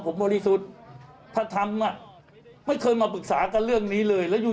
ผมบริสุทธิ์ถ้าทำอ่ะไม่เคยมาปรึกษากันเรื่องนี้เลยแล้วอยู่